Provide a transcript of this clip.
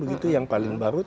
itu yang paling baru